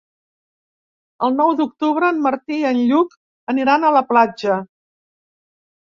El nou d'octubre en Martí i en Lluc aniran a la platja.